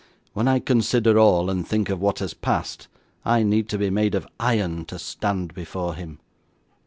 'When I consider all, and think of what has passed, I need be made of iron to stand before him.